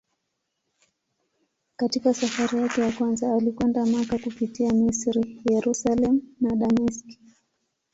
Katika safari yake ya kwanza alikwenda Makka kupitia Misri, Yerusalemu na Dameski.